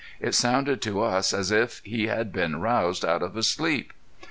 It sounded to us as if he had been roused out of a sleep.